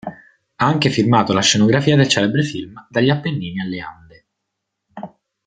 Ha anche firmato la scenografia del celebre film "Dagli Appennini alle Ande".